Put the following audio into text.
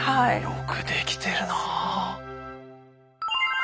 よく出来てるなあ。